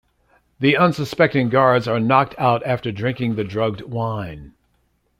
The unsuspecting guards are knocked out after drinking the drugged wine.